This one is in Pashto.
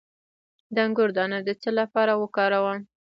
د انګور دانه د څه لپاره وکاروم؟